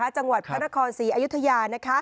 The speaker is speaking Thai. จังหวัดพระนคร๔อายุทยา